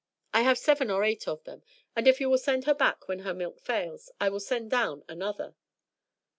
I have seven or eight of them, and if you will send her back when her milk fails I will send down another."